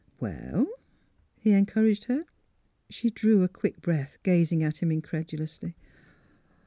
'' Well? " he encouraged her. She drew a quick breath, gazing at him in credulously.